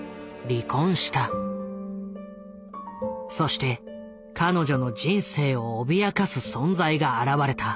そして彼女の人生を脅かす存在が現れた。